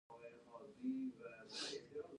طالبان برخه پکښې واخلي.